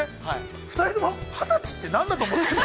２人とも２０歳って、何だと思ってるの？